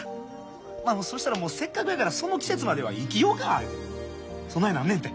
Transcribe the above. んそしたらもうせっかくやからその季節までは生きようかってそないなんねんて。